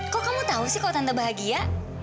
kok kamu tau sih kok tante bahagia